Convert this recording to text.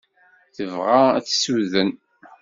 Tebɣa ad t-tessuden.